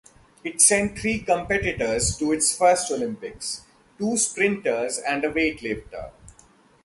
It sent three competitors to its first Olympics, two sprinters and a weightlifter.